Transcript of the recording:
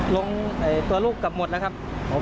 ลงตัวลูกกลับหมดแล้วครับ